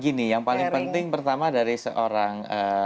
gini yang paling penting pertama dari seorang